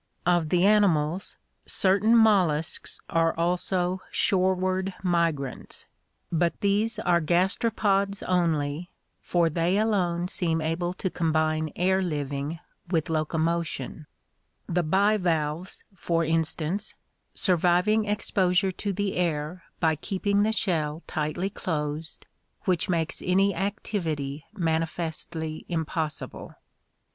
Of the animals, certain molluscs are also shoreward migrants, BATHYMETRIC DISTRIBUTION 75 but these are gastropods only, for they alone seem able to combine air living with locomotion; the bivalves, for instance, surviving exposure to the air by keeping the shell tightly closed, which makes any activity manifestly impossible.